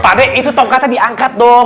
pak ade itu tongkatnya diangkat dong